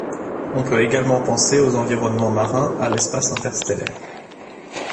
On peut également penser aux environnements marins, à l'espace interstellaire.